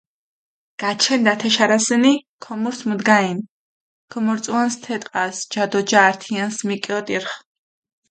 გაჩენდჷ ათე შარასჷნი, ქომურს მუგჷდენი, ქჷმონწყუნსჷ თე ტყასჷ, ჯა დო ჯა ართიანსჷ მიკიოტირხჷ.